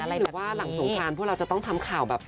หรือว่าหลังสงครานพวกเราจะต้องทำข่าวแบบ